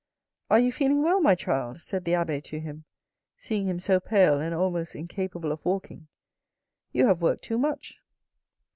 " Are you feeling well, my child ?" said the abbe to him, seeing him so pale, and almost incapable of walking. " You have worked too much."